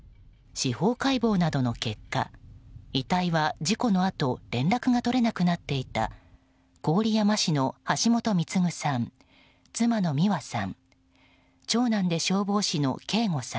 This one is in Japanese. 司法解剖などの結果遺体は事故のあと連絡が取れなくなっていた郡山市の橋本貢さん、妻の美和さん